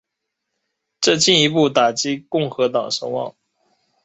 这进一步打击共和党声望。